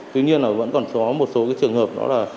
tuy nhiên là vẫn còn có một số trường hợp